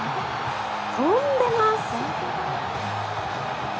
飛んでます。